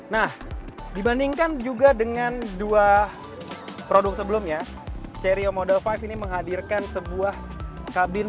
nah dibandingkan juga dengan dua produk sebelumnya cerio moda lima ini menghadirkan sebuah kabin